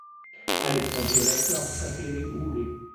Ali sva že rekla ob kateri uri?